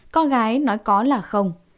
con gái nói có là không